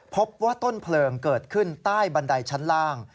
พบว่าต้นเพลิงเกิดขึ้นใต้บันไดชั้นล่าง